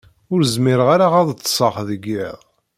Ur zmireɣ ara ad ṭṭseɣ deg yiḍ.